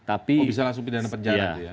oh bisa langsung pidana penjara